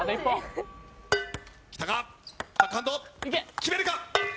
決めるか？